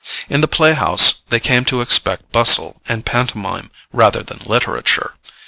In the playhouse they came to expect bustle and pantomime rather than literature.